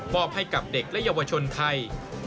อบให้กับเด็กและเยาวชนไทย